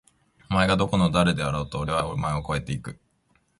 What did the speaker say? お前がどこの誰だろうと！！おれはお前を超えて行く！！